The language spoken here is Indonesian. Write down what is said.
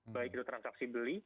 baik itu transaksi beli